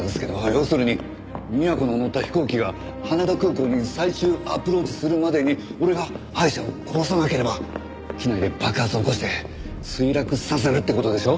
要するに美和子の乗った飛行機が羽田空港に最終アプローチするまでに俺がアイシャを殺さなければ機内で爆発を起こして墜落させるって事でしょ。